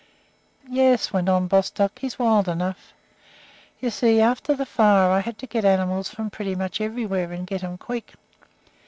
"Yes," went on Bostock, "he's wild enough. You see, after the fire, I had to get animals from pretty much everywhere, and get 'em quick.